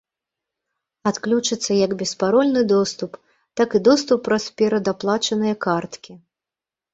Адключыцца як беспарольны доступ, так і доступ праз перадаплачаныя карткі.